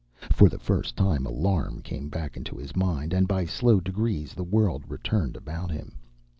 For the first time alarm came back into his mind, and by slow degrees the world returned about him.